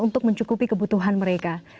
untuk mencukupi kebutuhan mereka